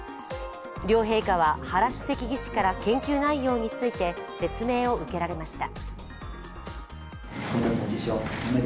両陛下は原主席技師から研究内容について説明を受けられました。